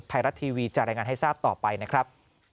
ไทยรัฐทีวีจะรายงานให้ทราบต่อไปนะครับ